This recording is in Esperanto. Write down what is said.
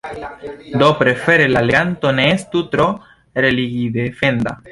Do prefere la leganto ne estu tro religidefenda.